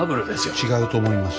違うと思います。